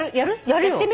やってみる？